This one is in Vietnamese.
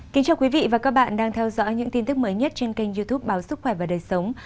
kính chào quý vị và các bạn đang theo dõi những tin tức mới nhất trên kênh youtube báo sức khỏe và đời sống